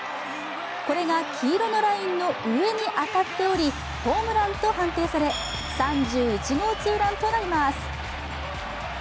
これが黄色のラインの上に当たっておりホームランと判定され、３１号ツーランとなります。